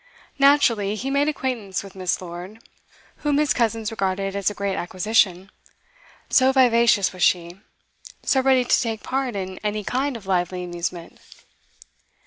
Naturally, he made acquaintance with Miss. Lord, whom his cousins regarded as a great acquisition, so vivacious was she, so ready to take part in any kind of lively amusement.